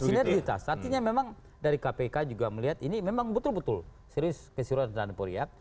sinergitas artinya memang dari kpk juga melihat ini memang betul betul serius keseluruhan terhadap